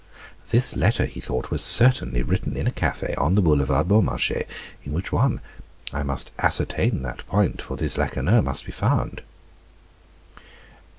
"This letter," he thought, "was certainly written in a cafe on the Boulevard Beaumarchais. In which one? I must ascertain that point, for this Lacheneur must be found."